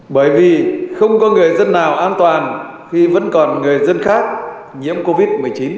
bởi vì không có người dân nào an toàn khi vẫn còn người dân khác nhiễm covid một mươi chín